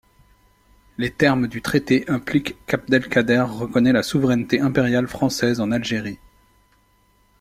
Les termes du traité impliquent qu'Abdelkader reconnait la souveraineté impériale française en Algérie.